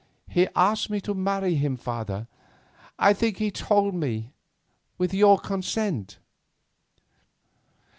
"He asked me to marry him, father; I think he told me with your consent."